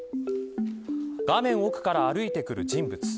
画面奥から歩いてくる人物。